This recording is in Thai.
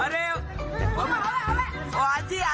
แล้วก็กลับไปเลย